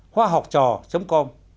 hoa học trò com